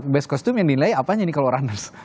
best kostum yang dinilai apanya nih kalau runners